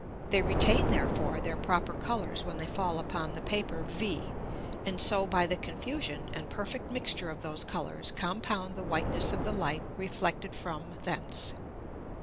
They retain therefore their proper Colours when they fall upon the Paper V, and so by the confusion and perfect mixture of those Colours compound the whiteness of the Light reflected from thence.